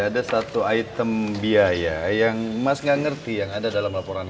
ada satu item biaya yang mas gak ngerti yang ada dalam laporan